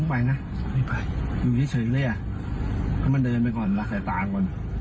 ไปยังไงล่ะดอม